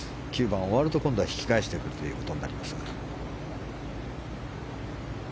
９番が終わると引き返してくるということになります。